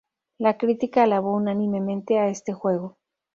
La crítica alabó unánimemente a este juego.